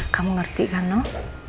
kamu ngerti kan noh